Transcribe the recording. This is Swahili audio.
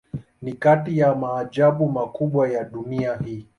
Ni kati ya maajabu makubwa ya dunia hii.